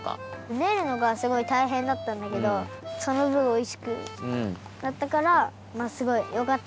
ねるのがすごいたいへんだったんだけどそのぶんおいしくなったからすごいよかったなっておもいます。